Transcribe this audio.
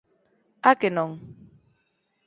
A que non?